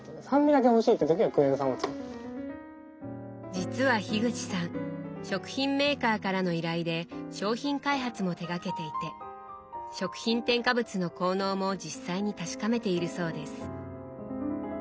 実は口さん食品メーカーからの依頼で商品開発も手がけていて食品添加物の効能も実際に確かめているそうです。